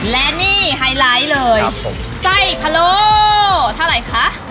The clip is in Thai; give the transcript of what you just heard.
และนี่ไฮไลท์เลยไส้พะโลเท่าไหร่คะ